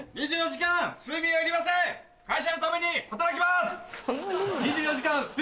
「２４時間睡眠はいりません会社のために働きます」。